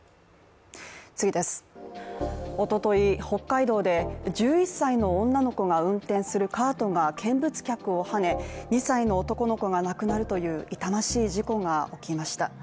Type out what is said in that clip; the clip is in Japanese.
おととい、北海道で１１歳の女の子が運転するカートが見物客をはね、２歳の男の子が亡くなるという痛ましい事故が起きました。